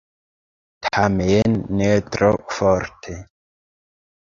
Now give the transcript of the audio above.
Tamen ne tro forte.